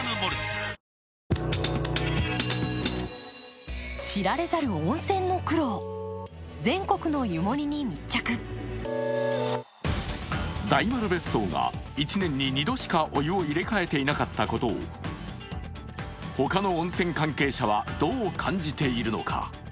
おおーーッ大丸別荘が１年に２度しかお湯を入れ替えていなかったことをほかの温泉関係者は、どう感じているのか。